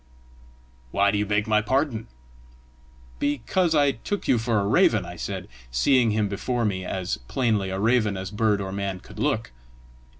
"Why do you beg my pardon?" "Because I took you for a raven," I said seeing him before me as plainly a raven as bird or man could look.